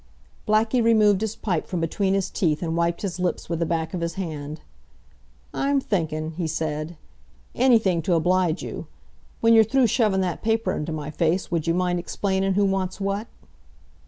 Blackie removed his pipe from between his teeth and wiped his lips with the back of his hand. "I'm thinkin'," he said. "Anything t' oblige you. When you're through shovin' that paper into my face would you mind explainin' who wants what?"